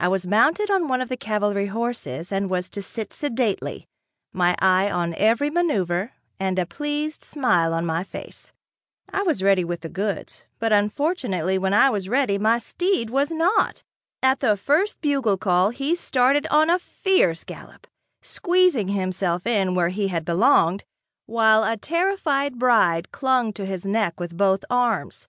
I was mounted on one of the cavalry horses and was to sit sedately, my eye on every maneuver and a pleased smile on my face. I was ready with the goods, but unfortunately when I was ready, my steed was not. At the first bugle call he started on a fierce gallop, squeezing himself in where he had belonged, while a terrified bride clung to his neck with both arms.